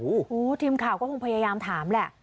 โอ้โหทีมข่าวก็คงพยายามถามแหละ